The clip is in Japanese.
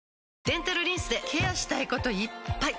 デンタルリンスでケアしたいこといっぱい！